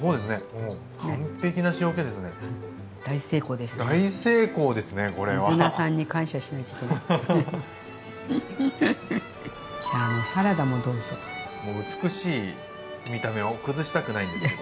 もう美しい見た目を崩したくないんですけど。